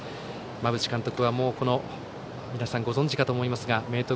馬淵監督は皆さんご存じかと思いますが明徳